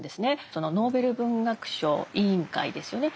そのノーベル文学賞委員会ですよね。